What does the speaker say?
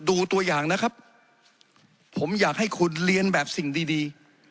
ตัวอย่างนะครับผมอยากให้คุณเรียนแบบสิ่งดีดี